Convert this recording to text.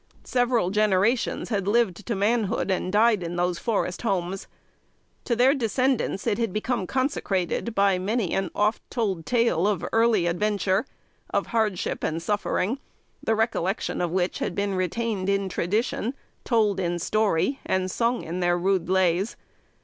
Several generations had lived to manhood and died in those forest homes. To their descendants it had become consecrated by "many an oft told tale" of early adventure, of hardship and suffering; the recollection of which had been retained in tradition, told in story, and sung in their rude lays.